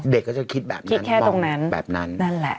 เด็กก็จะคิดแบบนี้คิดแค่ตรงนั้นแบบนั้นนั่นแหละ